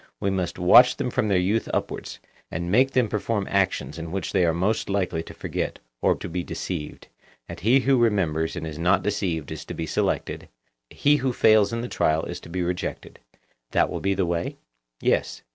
We must watch them from their youth upwards, and make them perform actions in which they are most likely to forget or to be deceived, and he who remembers and is not deceived is to be selected, and he who fails in the trial is to be rejected. That will be the way? Yes.